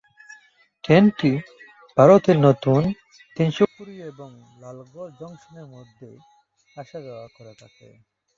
ট্রেনটি ভারতের নতুন তিনসুকিয়া এবং লালগড় জংশনের মধ্যে আসা যাওয়া করে থাকে।